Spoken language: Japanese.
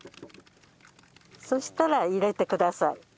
そしたら入れてください。